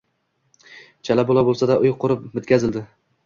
Chala bula boʻlsada uy qurib bitqazildi